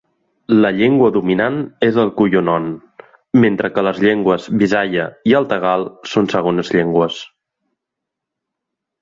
La llengua dominant és el cuyonon, mentre que les llengües bisaya i el tagal són segones llengües.